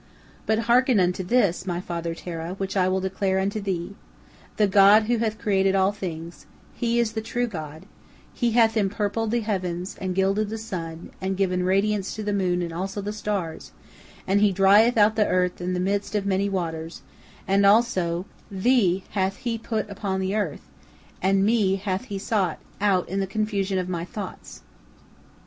But hearken unto this, my father Terah, which I will declare unto thee, The God who hath created all things, He is the true God, He hath empurpled the heavens, and gilded the sun, and given radiance to the moon and also the stars, and He drieth out the earth in the midst of many waters, and also thee hath He put upon the earth, and me hath He sought out in the confusion of my thoughts."